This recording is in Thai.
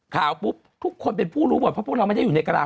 ปุ๊บทุกคนเป็นผู้รู้หมดเพราะพวกเราไม่ได้อยู่ในกระดาษ